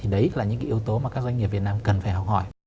đó là yếu tố mà các doanh nghiệp việt nam cần phải học hỏi